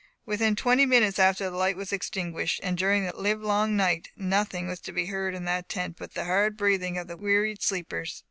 Within twenty minutes after the light was extinguished, and during the livelong night, nothing was to be heard in that tent but the hard breathing of the wearied sleepers.